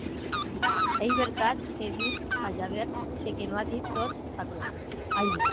Ei vertat qu’è vist a Javert e que m’a dit tot aquerò?